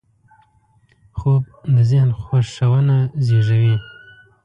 خوب د ذهن خوښونه زېږوي